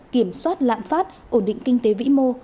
kiểm soát lạm phát ổn định kinh tế vĩ mô